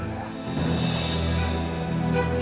tapi mau sampai kapan